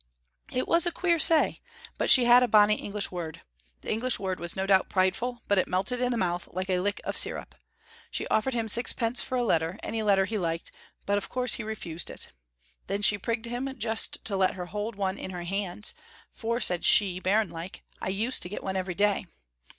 It was a queer say, but she had a bonny English word. The English word was no doubt prideful, but it melted in the mouth like a lick of sirup. She offered him sixpence for a letter, any letter he liked, but of course he refused it. Then she prigged with him just to let her hold one in her hands, for said she, bairnlike, "I used to get one every day."